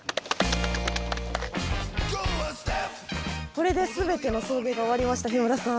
これで全ての送迎が終わりました日村さん。